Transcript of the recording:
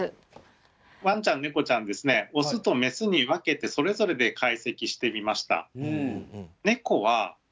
ワンちゃんネコちゃんですねオスとメスに分けてそれぞれでかいせきしてみました。